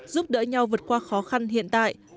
giúp đỡ nhau vượt qua khó khăn hiện tại